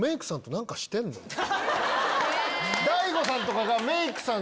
大悟さんとかが。